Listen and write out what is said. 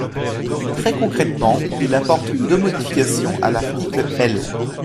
Très concrètement, il apporte deux modifications à l’article L.